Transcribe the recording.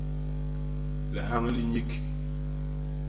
Lihañ li nyik.